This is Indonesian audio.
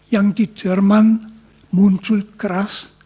yang di jerman muncul keras